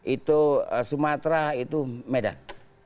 itu sumatera itu medan